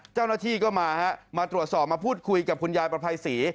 เจ้าหน้าที่ก็มาฮะมาตรวจสอบมาพูดคุยกับคุณยายประภัยศรี